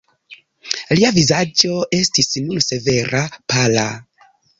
Lia vizaĝo estis nun severa, pala.